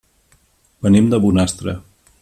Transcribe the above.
Venim de Bonastre.